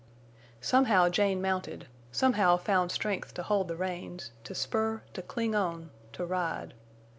Somehow Jane mounted; somehow found strength to hold the reins, to spur, to cling on, to ride.